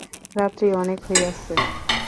রাত্রি অনেক হইয়াছে।